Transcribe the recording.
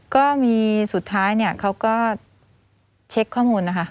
ก็มีสุดท้ายเนี่ยเขาก็เช็คข้อมูลนะคะ